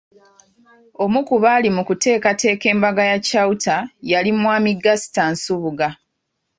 Omu ku baali mu kuteekateeka embaga ya Chalter yali Mwami Gaster Nsubuga.